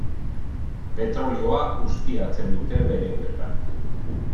Petrolio ustiatzen dute bere uretan.